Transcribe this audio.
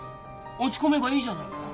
落ち込めばいいじゃねえか。